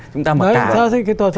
chúng ta mặc cả